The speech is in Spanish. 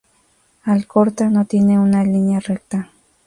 Alcorta, no sigue una línea recta.